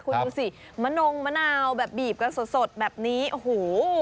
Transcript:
คุณดูสิมะนงมะนาวแบบบีบกันสดแบบนี้โอ้โห